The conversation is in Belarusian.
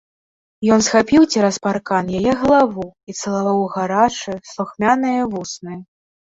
Ён схапіў цераз паркан яе галаву і цалаваў у гарачыя, слухмяныя вусны.